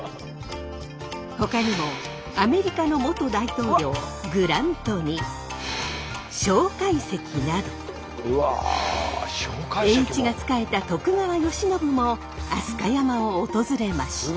ほかにもアメリカの元大統領グラントに蒋介石など栄一が仕えた徳川慶喜も飛鳥山を訪れました。